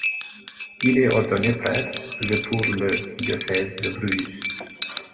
Il est ordonné prêtre le pour le diocèse de Bruges.